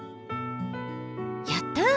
やった！